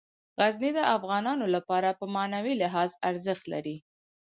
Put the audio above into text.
غزني د افغانانو لپاره په معنوي لحاظ ارزښت لري.